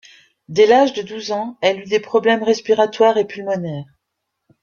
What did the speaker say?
Dès l'âge de douze ans, elle eut des problèmes respiratoires et pulmonaires.